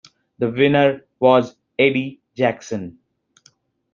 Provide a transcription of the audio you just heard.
The winner was Eddie Jackson.